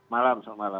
malam selamat malam